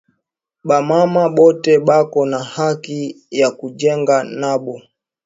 Ba mama bote beko na haki ya ku jenga nabo